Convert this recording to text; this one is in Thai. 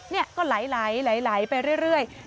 นี่ก็ไหลไปเรื่อย